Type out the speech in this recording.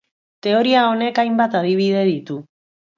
Teoria honek, hainbat adibide ditu.